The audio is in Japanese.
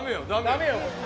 ダメよ。